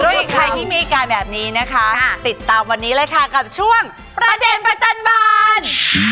โอ้แล้วอย่างใครที่มีอีกการแบบนี้นะคะติดตามวันนี้เลยค่ะกับช่วงประเด็นประจันบัน